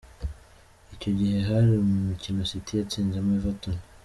Icyo gihe hari mu mukino City yatsinzemo Everton.